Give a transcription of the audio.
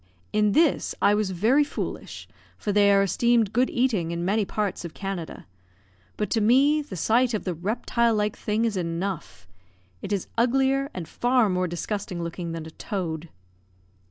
In this I was very foolish, for they are esteemed good eating in many parts of Canada; but to me, the sight of the reptile like thing is enough it is uglier, and far more disgusting looking than a toad.